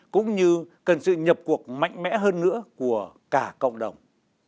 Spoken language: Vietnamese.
cũng như cần sự nhập cuộc mạnh mẽ hơn nữa của cả cộng đồng